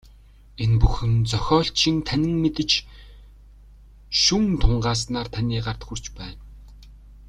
Энэ бүхэн зохиолчийн танин мэдэж, шүүн тунгааснаар таны гарт хүрч байна.